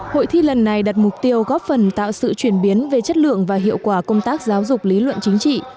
hội thi lần này đặt mục tiêu góp phần tạo sự chuyển biến về chất lượng và hiệu quả công tác giáo dục lý luận chính trị